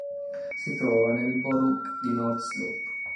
Si trova nel Borough di North Slope.